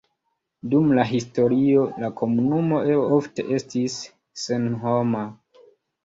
Dum la historio la komunumo ofte estis senhoma.